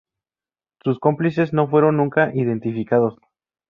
Sus cómplices no fueron nunca identificados.